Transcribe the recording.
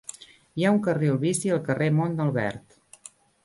Hi ha un carril bici al carrer Mont Albert.